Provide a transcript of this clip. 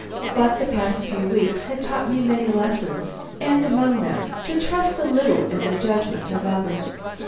But the past few weeks had taught me many lessons and among them to trust a little in the judgment of others.